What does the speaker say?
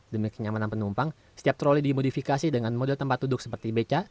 demi kenyamanan penumpang setiap troli dimodifikasi dengan model tempat duduk seperti beca